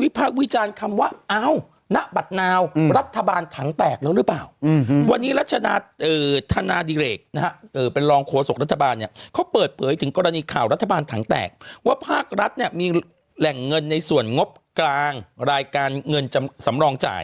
ว่าภาครัฐมีแหล่งเงินในส่วนงบกลางรายการเงินสำรองจ่าย